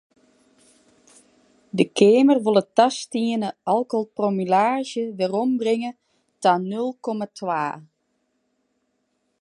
De Keamer wol it tastiene alkoholpromillaazje werombringe ta nul komma twa.